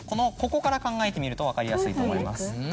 ここから考えてみると分かりやすいと思います。